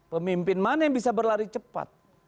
pemimpin mana yang bisa berlari cepat